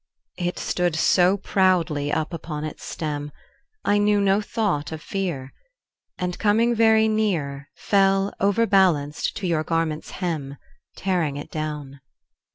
It stood so proudly up upon its stem, I knew no thought of fear, And coming very near Fell, overbalanced, to your garment's hem, Tearing it down.